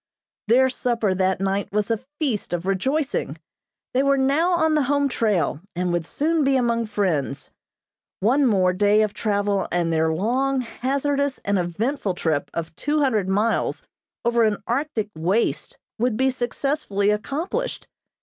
Their supper that night was a feast of rejoicing. They were now on the home trail, and would soon be among friends. One more day of travel and their long, hazardous, and eventful trip of two hundred miles over an Arctic waste would be successfully accomplished.